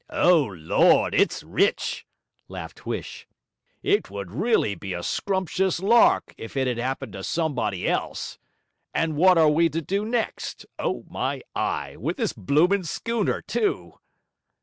'O Lord, it's rich!' laughed Huish. 'It would really be a scrumptious lark if it 'ad 'appened to somebody else! And wot are we to do next? Oh, my eye! with this bloomin' schooner, too?'